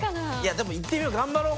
でもいってみよう頑張ろう。